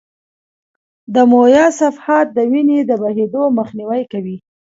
دمویه صفحات د وینې د بهېدو مخنیوی کوي.